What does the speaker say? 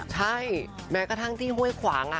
ใช่แม้กระทั่งที่ห้วยขวาง